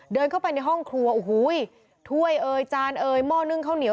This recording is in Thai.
เดินเข้าไปในห้องครัวโอ้โหถ้วยเอ่ยจานเอ่ยหม้อนึ่งข้าวเหนียว